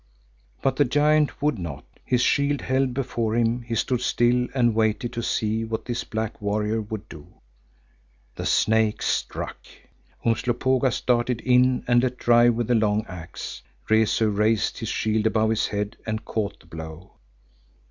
But the giant would not, his shield held before him, he stood still and waited to see what this black warrior would do. The snake struck. Umslopogaas darted in and let drive with the long axe. Rezu raised his shield above his head and caught the blow.